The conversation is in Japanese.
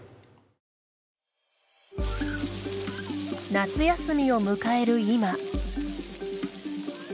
夏休みを迎える今。